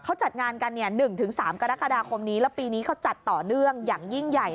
เขาจัดงานกัน๑๓กรกฎาคมนี้แล้วปีนี้เขาจัดต่อเนื่องอย่างยิ่งใหญ่